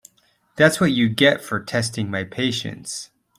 That’s what you get for testing my patience.